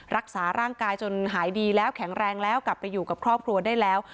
รักษาร่างกายจนหายดีแล้วแข็งแรงแล้วกลับไปอยู่กับครอบครัวได้แล้ว